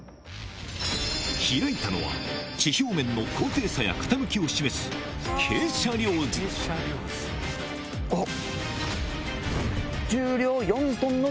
開いたのは地表面の高低差や傾きを示すおっ！